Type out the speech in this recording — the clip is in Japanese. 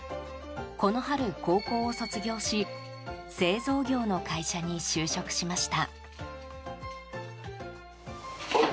この春、高校を卒業し製造業の会社に就職しました。